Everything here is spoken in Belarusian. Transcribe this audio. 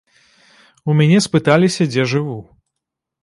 У мяне спыталіся, дзе жыву.